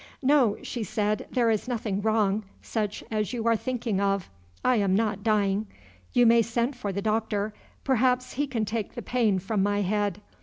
"No," she said, "there is nothing wrong, such as you are thinking of; I am not dying. You may send for the Doctor; perhaps he can take the pain from my head.